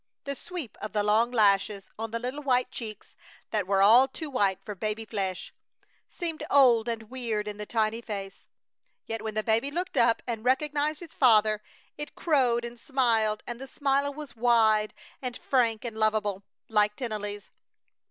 The sweep of the long lashes on the little white cheeks, that were all too white for baby flesh, seemed old and weird in the tiny face. Yet when the baby looked up and recognized its father it crowed and smiled, and the smile was wide and frank and lovable, like Tennelly's.